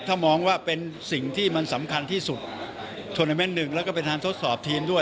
ถ้ามองว่าเป็นสิ่งที่มันสำคัญที่สุดโทรนาเมนต์หนึ่งแล้วก็เป็นทางทดสอบทีมด้วย